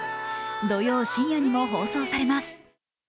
土曜深夜にも放送されます。